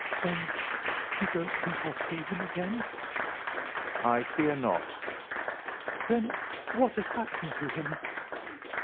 "Then you don't think I'll see him again?" "I fear not." "Then what has happened to him?"